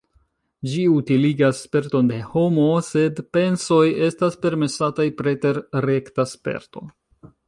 Ĝi utiligas sperton de homo, sed pensoj estas permesataj preter rekta sperto.